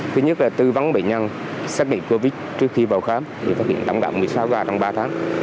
thứ nhất là tư vấn bệnh nhân xét nghiệm covid trước khi vào khám thì phát hiện tổng đạo một mươi sáu ca trong ba tháng